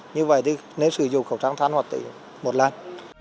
như vậy thì nên sử dụng khẩu trang than hoạt tích một lần